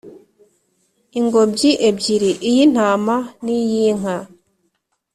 ingobyi ebyiri, iy’intama n’iy’inka